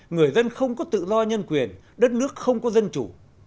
người dân không có tự do nhân quyền đất nước không có dân chủ